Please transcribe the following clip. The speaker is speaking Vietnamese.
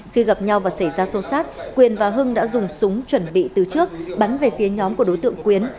khi gặp nhau và xảy ra xô sát quyền và hưng đã dùng súng chuẩn bị từ trước bắn về phía nhóm của đối tượng quyến